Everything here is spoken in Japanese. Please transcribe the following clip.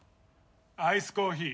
アイスコーヒー。